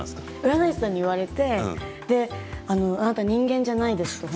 占い師さんに言われてあなたは人間じゃないです